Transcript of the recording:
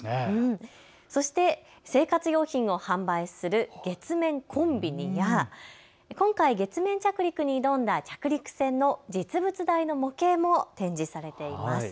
そして生活用品を販売する月面コンビニや今回、月面着陸に挑んだ着陸船の実物大の模型も展示されています。